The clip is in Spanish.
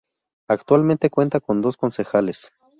Actualmente cuenta con dos concejales.